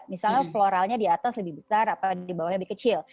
misalnya floralnya di atas lebih besar atau di bawahnya lebih kecil